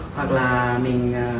hoặc là mình